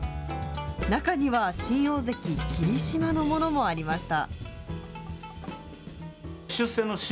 中には新大関・霧島のものもありました。